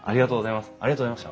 ありがとうございます。